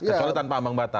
kecuali tanpa ambang batas